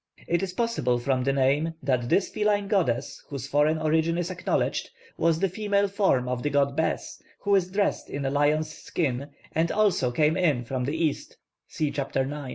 It is possible from the name that this feline goddess, whose foreign origin is acknowledged, was the female form of the god Bes, who is dressed in a lion's skin, and also came in from the east (see chap.